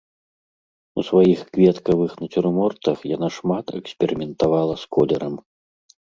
У сваіх кветкавых нацюрмортах яна шмат эксперыментавала з колерам.